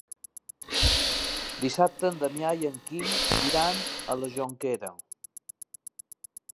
Dissabte en Damià i en Quim iran a la Jonquera.